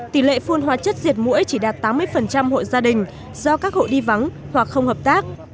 tỷ lệ phun hóa chất diệt mũi chỉ đạt tám mươi hội gia đình do các hộ đi vắng hoặc không hợp tác